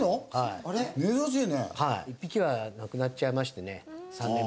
１匹は亡くなっちゃいましてね３年前。